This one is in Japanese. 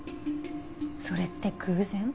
それって偶然？